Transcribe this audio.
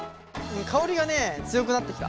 香りがねえ強くなってきた。